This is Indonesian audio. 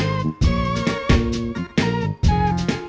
aku sendiri penipu